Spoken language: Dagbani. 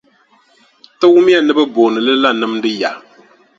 Ti wumya ni bɛ booni li la nimdi ya.